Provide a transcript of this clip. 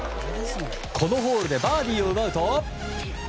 このホールでバーディーを奪うと。